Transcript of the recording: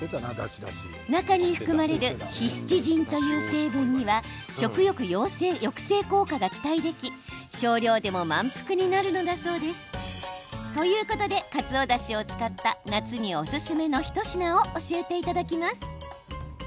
中に含まれるヒスチジンという成分には食欲抑制効果が期待でき少量でも満腹になるのだそうです。ということでカツオだしを使った夏におすすめの一品を教えていただきます。